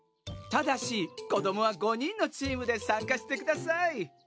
ただし子どもは５人のチームで参加してください。